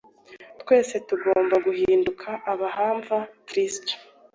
Twese tugomba guhinduka abahamva Kristo.